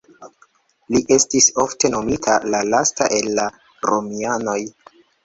Li estis ofte nomita "la lasta el la Romianoj".